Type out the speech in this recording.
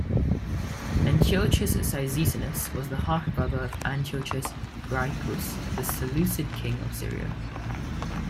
Antiochus Cyzicenus was the half brother of Antiochus Grypus, the Seleucid king of Syria.